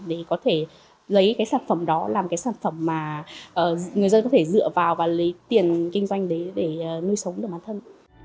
để có thể lấy cái sản phẩm đó làm cái sản phẩm mà người dân có thể dựa vào và lấy tiền kinh doanh đấy để nuôi sống được bản thân